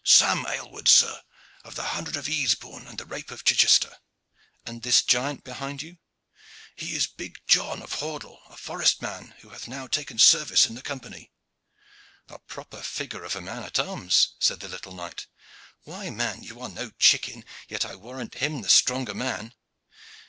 "Sam Aylward, sir, of the Hundred of Easebourne and the Rape of Chichester." "And this giant behind you?" "He is big John, of Hordle, a forest man, who hath now taken service in the Company." "A proper figure of a man at arms," said the little knight. "Why, man, you are no chicken, yet I warrant him the stronger man.